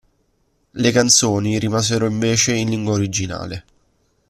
Le canzoni rimasero invece in lingua originale.